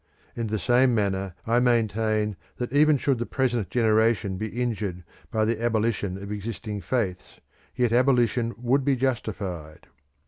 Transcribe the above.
In the same manner I maintain that even should the present generation be injured by the abolition of existing faiths, yet abolition would be justified.